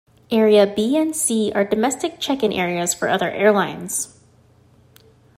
Area B and C are domestic check-in areas for other airlines.